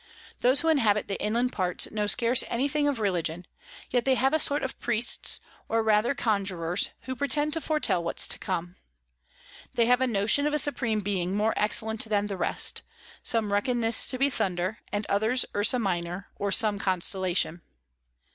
Those who inhabit the inland Parts know scarce any thing of Religion; yet they have a sort of Priests, or rather Conjurers, who pretend to foretel what's to come. They have a Notion of a Supreme Being more excellent than the rest; some reckon this to be Thunder, and others Ursa Minor, or some Constellation.